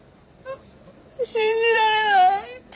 信じられない。